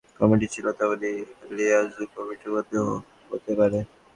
আশির দশকে যেমন লিয়াজোঁ কমিটি ছিল, তেমনই লিয়াজোঁ কমিটির মধ্যেও হতে পারে।